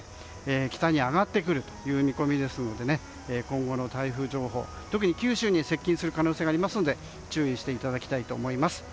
北に上がってくる見込みですので今後の台風情報、特に九州に接近する可能性がありますので注意していただきたいと思います。